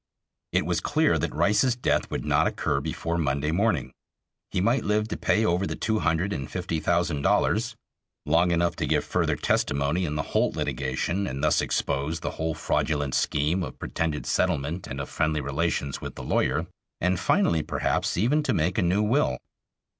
It was clear that Rice's death would not occur before Monday morning. He might live to pay over the two hundred and fifty thousand dollars; long enough to give further testimony in the Holt litigation, and thus expose the whole fraudulent scheme of pretended settlement and of friendly relations with the lawyer, and finally, perhaps, even to make a new will.